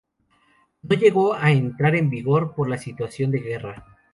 No llegó a entrar en vigor por la situación de guerra.